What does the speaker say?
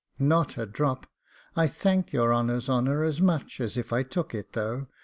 'Not a drop; I thank your honour's honour as much as if I took it, though.